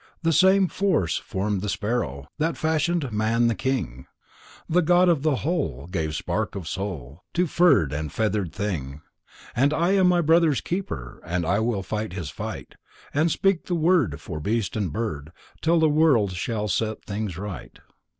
The same force formed the sparrow That fashioned man the king; The God of the whole Gave a spark of soul To furred and feathered thing. And I am my brother's keeper And I will fight his fight, And speak the word For beast and bird Till the world shall set things right.